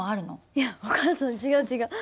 いやお母さん違う違う。